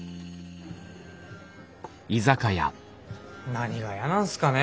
何が嫌なんすかね？